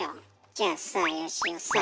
じゃあさよしおさあ